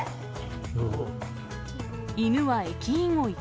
犬は駅員を威嚇。